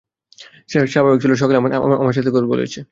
সে স্বাভাবিক ছিল, সকালে আমার সাথে কথা বলেছে।